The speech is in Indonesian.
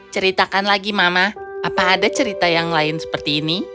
ceritakan lagi mama apa ada cerita yang lain seperti ini